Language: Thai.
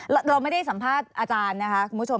เราไม่ได้สัมภาษณ์อาจารย์นะคะคุณผู้ชม